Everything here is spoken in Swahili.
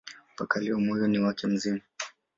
Mpaka leo moyo wake ni mzima.